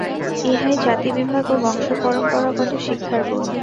ইহাই জাতিবিভাগ ও বংশপরম্পরাগত শিক্ষার গুণ।